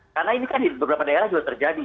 karena ini kan di beberapa daerah juga terjadi